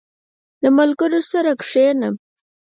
• د ملګرو سره کښېنه.